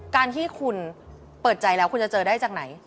การที่คุณเปิดใจแล้วคุณจะเจอได้จากไหน